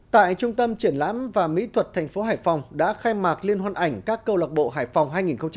tại trung tâm triển lãm và mỹ thuật thành phố hải phòng đã khai mạc liên hoan ảnh các câu lạc bộ hải phòng hai nghìn hai mươi bốn